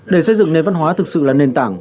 để xây dựng nền văn hóa thực sự là nền tảng